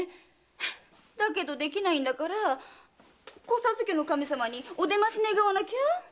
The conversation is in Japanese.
だけどできないんだから子授けの神さまにお出まし願わなきゃ。